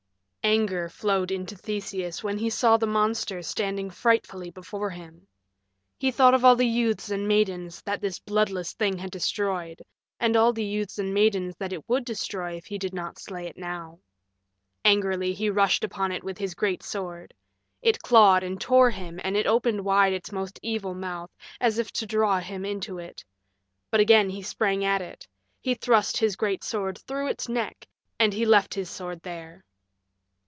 Anger flowed into Theseus when he saw the monster standing frightfully before him; he thought of all the youths and maidens that this bloodless thing had destroyed, and all the youths and maidens that it would destroy if he did not slay it now. Angrily he rushed upon it with his great sword. It clawed and tore him, and it opened wide its most evil mouth as if to draw him into it. But again he sprang at it; he thrust his great sword through its neck, and he left his sword there.